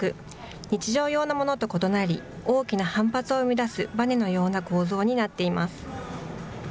日常用のものと異なり大きな反発を生み出すバネのような構造になっています。